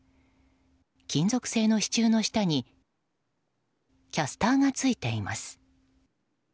金属製の支柱の下にキャスターが付いています。